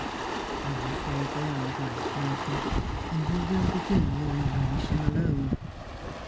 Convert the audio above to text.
I am afraid they are right, Malcolm; and you will begin your new mission alone.